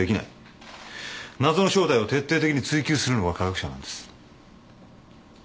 謎の正体を徹底的に追究するのが科学者なんです。